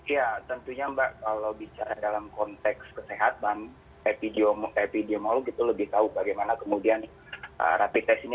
ya tentunya mbak kalau bicara dalam konteks kesehatan epidemiolog itu lebih tahu bagaimana kemudian rapid test ini